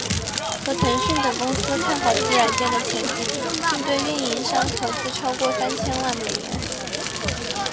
和腾讯等公司看好此软件的前景并对运营商投资超过三千万美元。